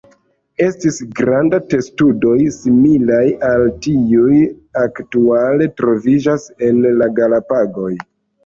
Estis granda testudoj, similaj al tiuj aktuale troviĝas en la Galapagoj.